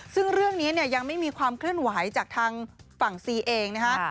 ซึ่งเรื่องนี้เนี่ยยังไม่มีความเคลื่อนไหวจากทางฝั่งซีเองนะฮะ